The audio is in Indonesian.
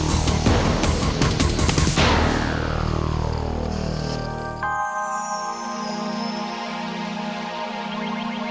sampai jumpa lagi